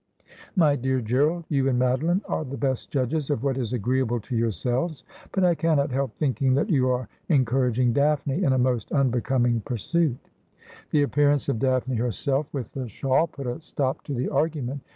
' My dear Gerald, you and Madoline are the best judges of what is agreeable to yourselves ; but I cannot help thinking that you are encouraging Daphne in a most unbecoming pur suit.' The appearance of Daphne herself with the shawl put a stop to the argument.